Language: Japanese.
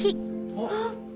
あっ。